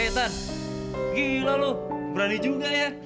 ethan gila lu berani juga ya